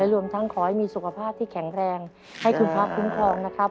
ให้มีสุขภาพที่แข็งแรงให้คุณพรรคคลมากนะครับ